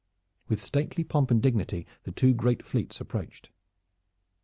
With stately pomp and dignity, the two great fleets approached.